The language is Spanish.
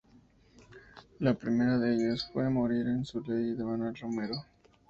La primera de ellas fue "Morir en su ley" de Manuel Romero.